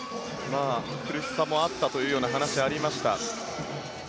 苦しさもあったという話もありました。